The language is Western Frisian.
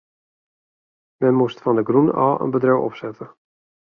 Men moast fan de grûn ôf in bedriuw opsette.